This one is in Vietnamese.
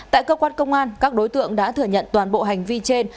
tại cơ quan công an các đối tượng đã thừa nhận toàn bộ hành vi trên